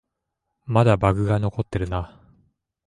まだバグが残ってるな